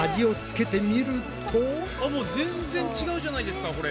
あっもう全然違うじゃないですかこれ。